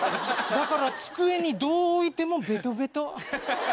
だから机にどう置いてもベトベト。